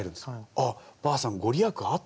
「ああばあさん御利益あったな。